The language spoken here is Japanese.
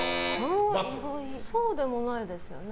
そうでもないですね。